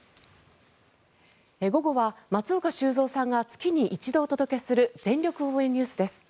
午後は松岡修造さんが月に一度お届けする全力応援ＮＥＷＳです。